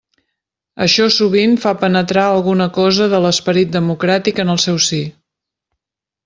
Això sovint fa penetrar alguna cosa de l'esperit democràtic en el seu si.